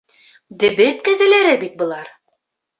Дебет кәзәләре бит былар.